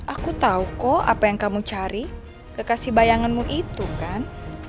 aku tahu kok apa yang kamu cari kekasih bayanganmu itu kan